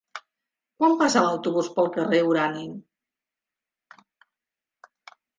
Quan passa l'autobús pel carrer Urani?